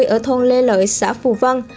ở thôn lê lợi xã phù vân